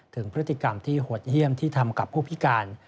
ถึงพฤติกรรมที่หดเยี่ยมที่ทำกับผู้พิการ